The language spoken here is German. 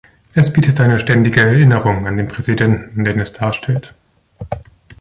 Es bietet eine ständige Erinnerung an den Präsidenten, den es darstellt.